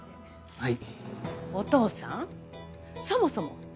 はい。